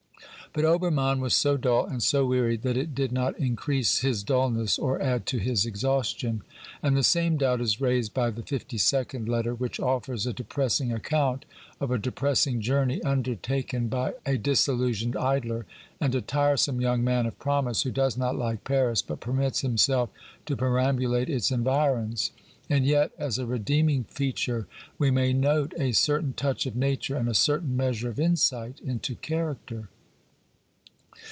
But Oberviann was so dull and so wearied that it did not increase his dulness or add to his exhaustion. And the same doubt is raised by the fifty second letter, which offers a depressing account of a depress ing journey undertaken by a disillusionised idler and a tiresome young man of promise, who does not like Paris but permits himself to perambulate its environs. And yet, as a redeeming feature, we may note a certain touch of Nature and a certain measure of insight into character.